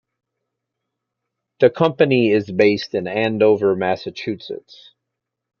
The company is based in Andover, Massachusetts.